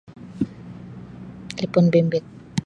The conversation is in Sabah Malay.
Telipon bimbit.